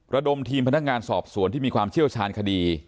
ระดมทีมพนักงานสอบสวนที่มีความเชี่ยวชาญคดี